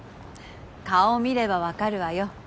顔見ればわかるわよ